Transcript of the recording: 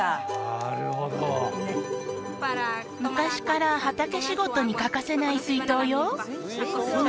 なるほど昔から畑仕事に欠かせない水筒よ